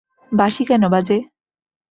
বাঁশি কেন বাজে?